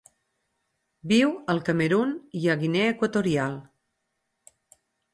Viu al Camerun i a Guinea Equatorial.